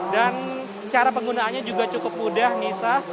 dan cara penggunaannya juga cukup mudah nisa